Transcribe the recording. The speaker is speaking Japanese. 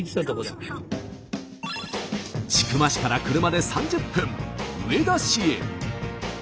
千曲市から車で３０分上田市へ。